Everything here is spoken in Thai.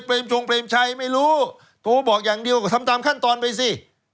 ชงเปรมชัยไม่รู้โทรบอกอย่างเดียวก็ทำตามขั้นตอนไปสิ